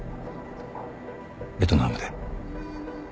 ベトナムで。